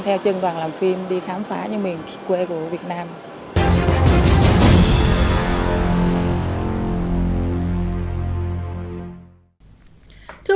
theo chương trình